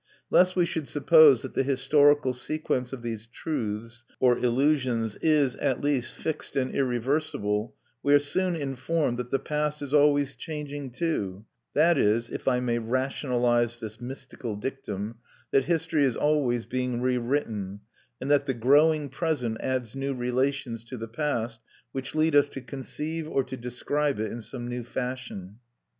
Lest we should suppose that the historical sequence of these "truths" or illusions is, at least, fixed and irreversible, we are soon informed that the past is always changing, too; that is (if I may rationalise this mystical dictum), that history is always being rewritten, and that the growing present adds new relations to the past, which lead us to conceive or to describe it in some new fashion.